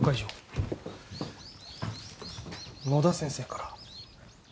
野田先生から。